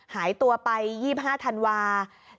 หายตัวไป๒๕ธันวาคม